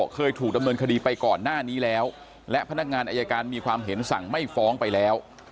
เคยถูกดำเนินคดีไปก่อนหน้านี้แล้วและพนักงานอายการมีความเห็นสั่งไม่ฟ้องไปแล้ว